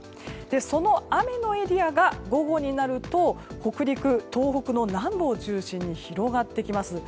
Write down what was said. その雨のエリアが午後になると北陸、東北の南部を中心に広がってきます。